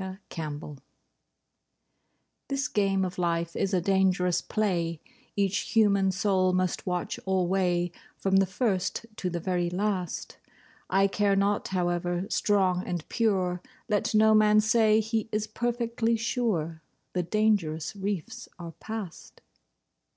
LIFE'S TRACK This game of life is a dangerous play, Each human soul must watch alway, From the first to the very last. I care not however strong and pure— Let no man say he is perfectly sure The dangerous reefs are past.